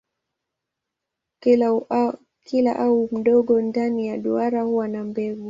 Kila ua mdogo ndani ya duara huwa na mbegu.